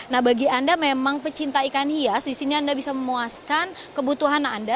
nah bagi anda memang pecinta ikan hias di sini anda bisa memuaskan kebutuhan anda